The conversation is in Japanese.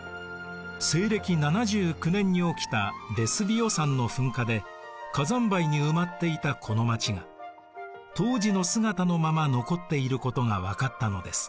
西暦７９年に起きたヴェスヴィオ山の噴火で火山灰に埋まっていたこの町が当時の姿のまま残っていることが分かったのです。